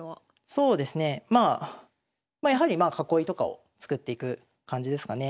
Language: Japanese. そうですねやはりまあ囲いとかを作っていく感じですかね。